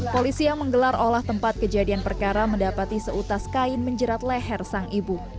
polisi yang menggelar olah tempat kejadian perkara mendapati seutas kain menjerat leher sang ibu